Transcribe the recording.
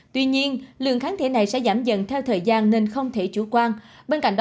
tuy nhiên lượng kháng thể này sẽ giảm dần theo thời gian nên không thể chủ quan